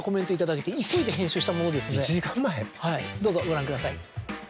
どうぞご覧ください。